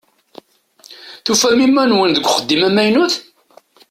Tufam iman-nwen deg uxeddim amaynut?